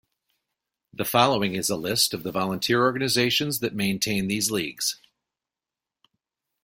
The following is a list of the volunteer organizations that maintain these leagues.